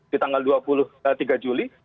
di tanggal dua puluh tiga juli